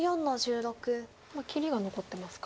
切りが残ってますか。